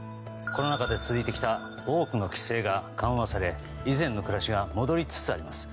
コロナ禍で続いてきた多くの規制が緩和され以前の暮らしが戻りつつあります。